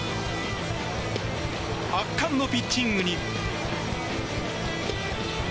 圧巻のピッチングに。